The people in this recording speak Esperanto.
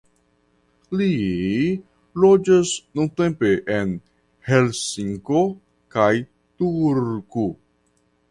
Li loĝas nuntempe en Helsinko kaj Turku.